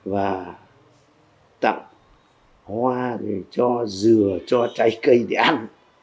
và tặng hoa cho dừa cho trái cây để ăn